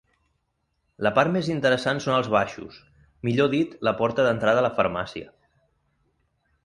La part més interessant són els baixos, millor dit la porta d'entrada a la farmàcia.